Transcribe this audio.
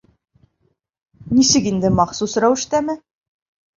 Нисек инде махсус рәүештәме?